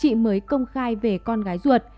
vì muốn con có một con gái ruột